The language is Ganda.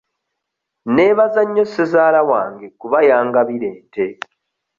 Neebaza nnyo ssezaala wange kuba yangabira ente.